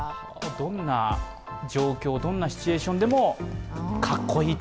どんな状況、どんなシチュエーションでもかっこいいと。